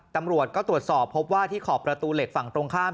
ตำรวจก็ตรวจสอบพบว่าที่ขอบประตูเหล็กฝั่งตรงข้าม